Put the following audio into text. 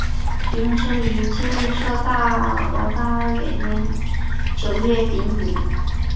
许衡生于金卫绍王大安元年九月丙寅。